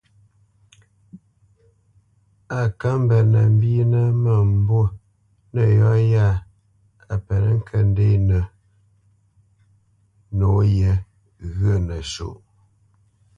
A kə mbenə mbínə mə́mbû nə yɔ ya a penə ŋkə ndenə nǒye ghyə̂ nəsuʼ.